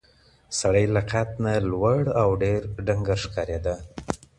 سړی له قد نه لوړ او ډېر ډنګر ښکارېده.